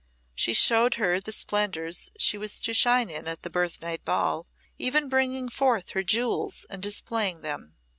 She showed her the splendours she was to shine in at the birth night ball, even bringing forth her jewels and displaying them.